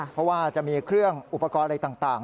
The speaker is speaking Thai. เพราะว่าจะมีเครื่องอุปกรณ์อะไรต่าง